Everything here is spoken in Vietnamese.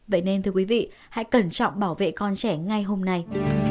vậy nên thưa quý vị hãy cẩn trọng bảo vệ con trẻ ngay hôm nay